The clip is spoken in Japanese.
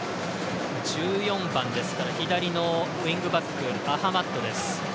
１４番ですから左のウイングバックアハマッドです。